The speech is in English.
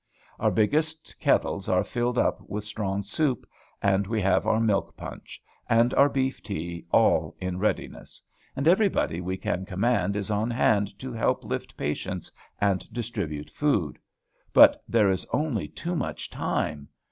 Our biggest kettles are filled up with strong soup; and we have our milk punch, and our beef tea all in readiness; and everybody we can command is on hand to help lift patients and distribute food. But there is only too much time.